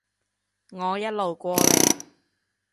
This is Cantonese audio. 我一路過嚟